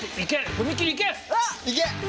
踏切いけ！